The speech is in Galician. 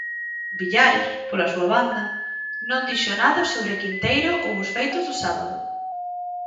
Villares, pola súa banda, non dixo nada sobre Quinteiro ou os feitos do sábado.